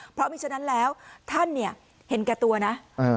เพราะมีฉะนั้นแล้วท่านเห็นกัดตัวนะ